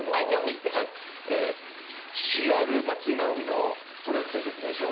ＣＲ松居直美の取扱説明書。